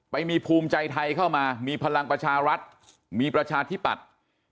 ไปมีภูมิใจไทยเข้ามามีพลังประชารัฐมีประชาธิปัตย์